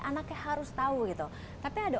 anaknya harus tahu gitu tapi ada